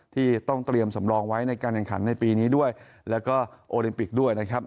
ที่ต้องเตรียมสำรองไว้ในการแข่งขันในปีนี้ด้วยแล้วก็โอลิมปิกด้วยนะครับ